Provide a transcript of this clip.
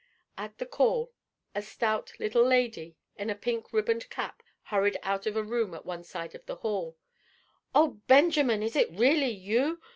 At the call, a stout little lady, in a pink ribboned cap, hurried out of a room at one side of the hall. "Oh, Benjamin, is it really you?